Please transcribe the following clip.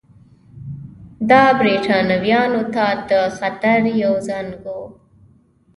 دا برېټانویانو ته د خطر یو زنګ وو.